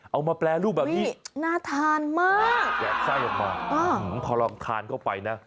มาแปรรูปแบบนี้น่าทานมากแกะไส้ออกมาพอลองทานเข้าไปนะ